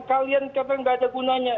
kalian katakan gak ada gunanya